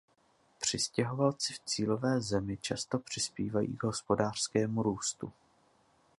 Přistěhovalci v cílové zemi často přispívají k hospodářskému růstu.